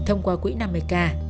trong quả quỹ năm mươi k